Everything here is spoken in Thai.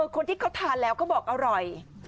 คนที่เขาทานแล้วเขาบอกอร่อย